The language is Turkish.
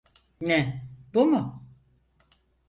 Ne, bu mu?